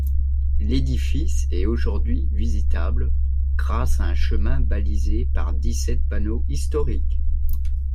L'édifice est aujourd'hui visitable, grâce à un chemin balisé par dix-sept panneaux historiques.